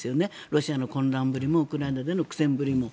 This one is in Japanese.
ロシアの混乱ぶりもウクライナでの苦戦ぶりも。